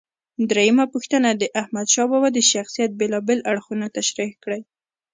درېمه پوښتنه: د احمدشاه بابا د شخصیت بېلابېل اړخونه تشریح کړئ.